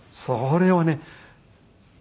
それはね。